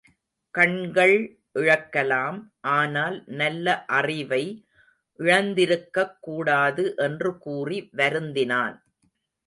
கண்கள் இழக்கலாம் ஆனால் நல்ல அறிவை இழந்திருக்கக் கூடாது என்று கூறி வருந்தினான்.